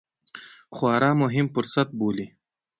خورا مهم فرصت بولي